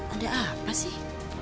ada apa sih